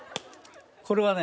これはね